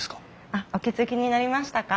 あっお気付きになりましたか？